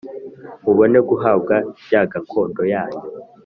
Mubone guhabwa ya gakondo yanyu